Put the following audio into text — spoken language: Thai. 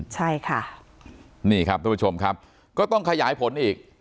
ใช่ค่ะนี่ครับทุกผู้ชมครับก็ต้องขยายผลอีก